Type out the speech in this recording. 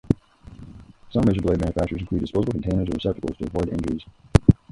Some razor blade manufacturers include disposal containers or receptacles to avoid injuries.